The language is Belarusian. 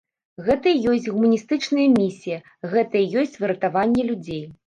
Гэта і ёсць гуманістычная місія, гэта і ёсць выратаванне людзей.